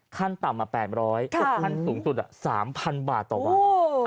ขั้นต่ำมา๘๐๐ขั้นสูงสุด๓๐๐๐บาทต่อวัน